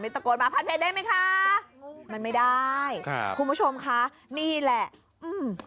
ตะโกนมาพันเพชรได้ไหมคะมันไม่ได้ครับคุณผู้ชมคะนี่แหละอืม